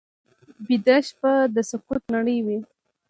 ویده شپه د سکوت نړۍ وي